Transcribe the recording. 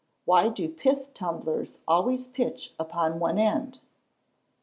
_Why do pith tumblers always pitch upon one end?